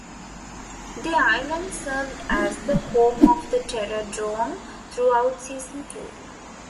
The island served as the home of the Terror Drome throughout season two.